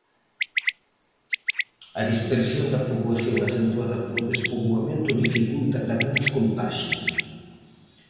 A dispersión da poboación, acentuada polo despoboamento, dificulta tamén os contaxios.